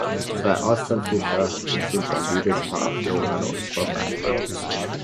Zwei Austernfischer, bestimmt ein Liebespaar, flogen an uns vorbei.